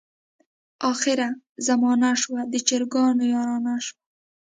اخره زمانه شوه د چرګانو یارانه شوه.